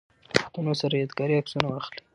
پښتنو سره ياد ګاري عکسونه واخلئ